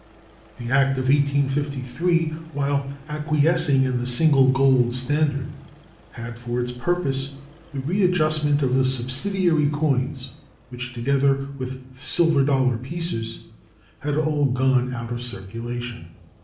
The act of 1853, while acquiescing in the single gold standard, had for its purpose the readjustment of the subsidiary coins, which, together with silver dollar pieces, had all gone out of circulation.